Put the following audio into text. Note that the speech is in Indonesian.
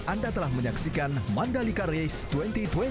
anda telah menyaksikan mandalika race dua ribu dua puluh